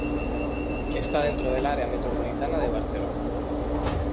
Está dentro del área metropolitana de Barcelona.